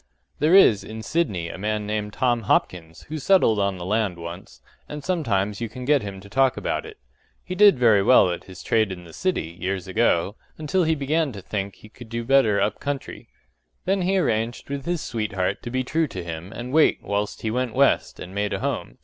There is in Sydney a man named Tom Hopkins who settled on the land once, and sometimes you can get him to talk about it. He did very well at his trade in the city, years ago, until he began to think that he could do better up country. Then he arranged with his sweetheart to be true to him and wait whilst he went west and made a home.